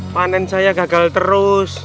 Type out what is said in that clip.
panen saya gagal terus